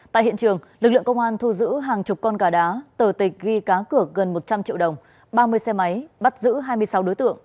tại hiện trường lực lượng công an thu giữ hàng chục con gà đá tờ tịch ghi cá cửa gần một trăm linh triệu đồng ba mươi xe máy bắt giữ hai mươi sáu đối tượng